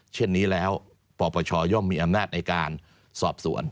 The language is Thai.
เช่นนี้แล้วปปชย่อมมีอำนาจในการสอบสวน